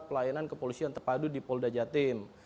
pelayanan kepolisian terpadu di polda jatim